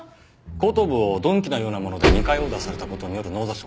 後頭部を鈍器のようなもので２回殴打された事による脳挫傷。